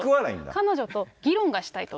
彼女と議論がしたいと。